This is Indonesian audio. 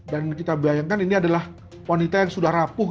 dan kita bayangkan ini adalah wanita yang sudah rapuh